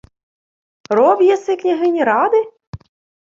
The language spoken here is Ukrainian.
— Роб єси княгині Ради?